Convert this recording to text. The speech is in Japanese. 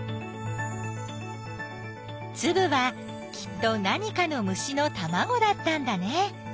つぶはきっと何かの虫のたまごだったんだね！